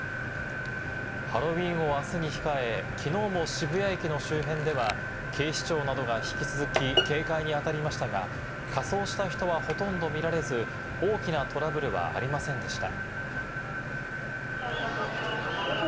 ハロウィーンをあすに控え、きのうも渋谷駅の周辺では、警視庁などが引き続き警戒に当たりましたが、仮装した人はほとんど見られず、大きなトラブルはありませんでした。